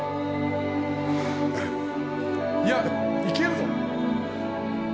いや、いけるぞ！